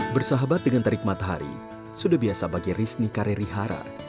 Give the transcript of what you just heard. bersahabat dengan terik matahari sudah biasa bagi risnikare rihara